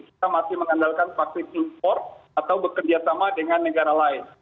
kita masih mengandalkan vaksin transport atau bekerja sama dengan negara lain